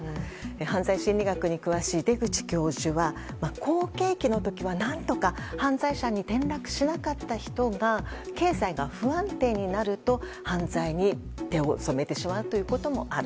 犯罪心理学に詳しい出口教授は好景気の時は何とか犯罪者に転落しなかった人が経済が不安定になると犯罪に手を染めてしまうということもある。